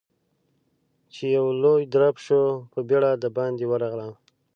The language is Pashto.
چې يو لوی درب شو، په بيړه د باندې ورغلم.